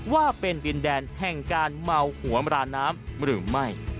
ว่าเป็นดินแดนแห่งการเมาหัวมราน้ำหรือไม่